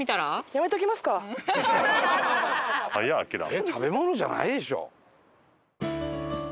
えっ食べ物じゃないでしょ。